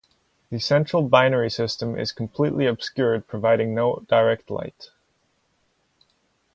The central binary system is completely obscured, providing no direct light.